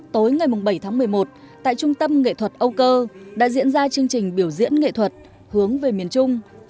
tối ngày bảy tháng một mươi một tại trung tâm nghệ thuật âu cơ đã diễn ra chương trình biểu diễn nghệ thuật hướng về miền trung